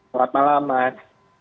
selamat malam mark